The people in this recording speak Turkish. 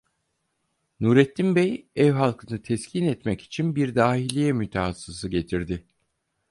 Nurettin bey, ev halkını teskin etmek için bir dahiliye mütehassısı getirdi.